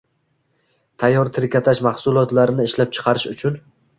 Tayyor trikotaj mahsulotlarini ishlab chiqarish uchun